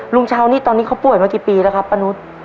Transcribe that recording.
ลุงเช้านี่ตอนนี้เขาป่วยมากี่ปีแล้วครับป้านุษย์